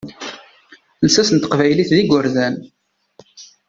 Lsas n teqbaylit d igerdan.